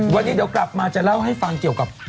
วันนี้เดี๋ยวกลับมาจะเล่าให้ฟังเกี่ยวกับ